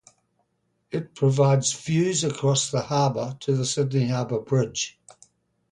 It provides views across the harbour to the Sydney Harbour Bridge.